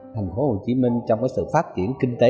thành phố hồ chí minh trong sự phát triển kinh tế